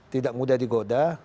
tidak mudah digoda